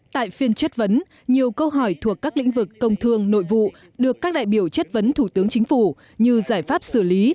tại phiên chất vấn nhiều câu hỏi thuộc các lĩnh vực công thương nội vụ được các đại biểu chất vấn thủ tướng chính phủ như giải pháp xử lý